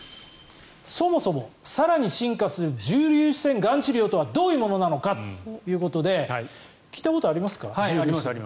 そもそも更に進化する重粒子線がん治療とはどういうものなのかということであります。